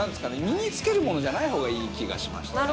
身に着けるものじゃない方がいい気がしましたね。